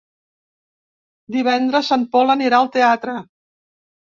Divendres en Pol anirà al teatre.